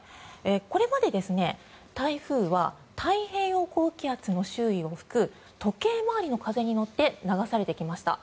これまで台風は太平洋高気圧の周囲を吹く時計回りの風に乗って流されてきました。